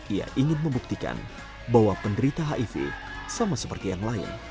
ia ingin membuktikan bahwa penderita hiv sama seperti yang lain